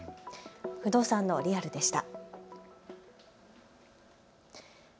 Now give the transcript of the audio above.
不動産のリアルでした。